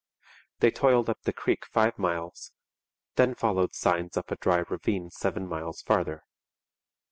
They toiled up the creek five miles, then followed signs up a dry ravine seven miles farther.